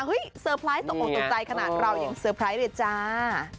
เฮ้ยสเตอร์ไพรส์ตกตกใจขนาดเรายังสเตอร์ไพรส์เลยจ้า